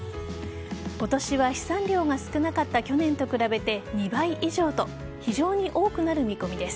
今年は飛散量が少なかった去年と比べて２倍以上と非常に多くなる見込みです。